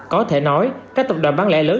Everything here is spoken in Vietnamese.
có thể nói các tập đoàn bán lẻ lớn